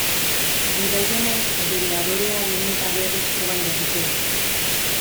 Bidai honek bere adorea behin eta berriz proban jarriko du.